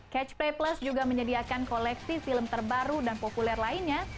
catch play plus juga menyediakan koleksi film terbaru dan populer lainnya